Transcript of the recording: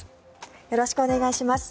よろしくお願いします。